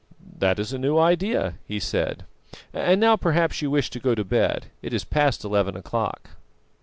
"That is a new idea," he said. "And now perhaps you wish to go to bed; it is past eleven o'clock."